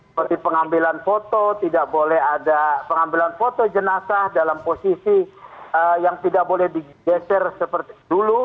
seperti pengambilan foto tidak boleh ada pengambilan foto jenazah dalam posisi yang tidak boleh digeser seperti dulu